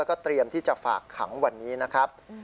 แล้วก็เตรียมที่จะฝากขังวันนี้นะครับ